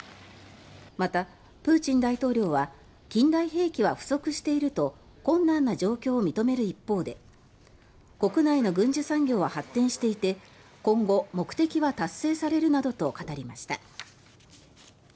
また、プーチン大統領は近代兵器は不足していると困難な状況を認める一方で国内の軍需産業は発展していて今後、目的は達成されるなどと語りました。